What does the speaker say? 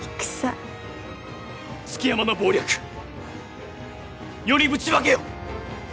築山の謀略世にぶちまけよ！